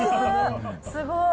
すごい。